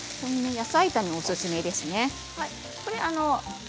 野菜炒めが、おすすめですね。